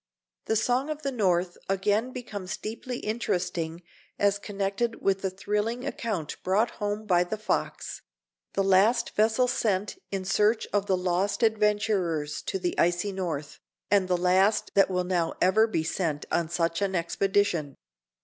'The Song of the North' again becomes deeply interesting as connected with the thrilling account brought home by the Fox the last vessel sent in search of the lost adventurers to the icy North, and the last that will now ever be sent on such an expedition."